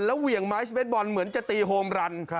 เหวี่ยงไม้สเบสบอลเหมือนจะตีโฮมรัน